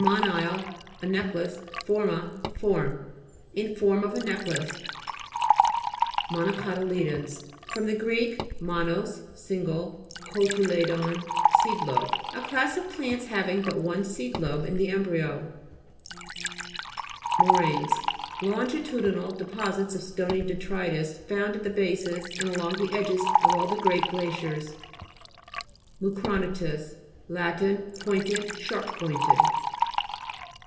monile, a necklace, forma, form. In form of a necklace. MO'XOCOTY'LEDONS fr. gr. tnonos, single, kotuledon, seed lobe. A class of plants having but one seed lobe in the embryo. MORAI'NES Longitudinal deposits of stony detritus found at the bases, and along the edges of all the great glaciers (p. 131). MOSASAU'RUS (p. 75). MUCRONA'TUS Lat. Pointed, sharp pointed.